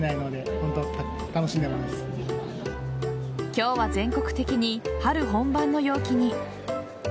今日は全国的に春本番の陽気に。